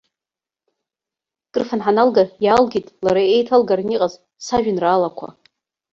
Крыфан ҳаналга иаалгеит лара еиҭалгаран иҟаз сажәеинраалақәа.